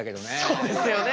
そうですよね。